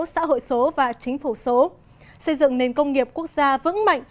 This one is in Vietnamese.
xã hội số và chính phủ số xây dựng nền công nghiệp quốc gia vững mạnh